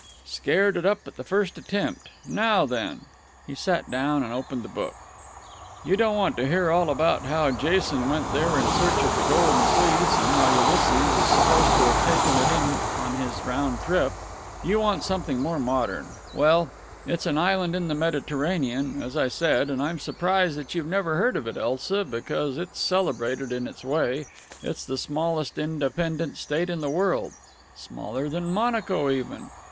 "Scared it up at the first attempt. Now then." He sat down, and opened the book. "You don't want to hear all about how Jason went there in search of the Golden Fleece, and how Ulysses is supposed to have taken it in on his round trip? You want something more modern. Well, it's an island in the Mediterranean, as I said, and I'm surprised that you've never heard of it, Elsa, because it's celebrated in its way. It's the smallest independent state in the world. Smaller than Monaco, even.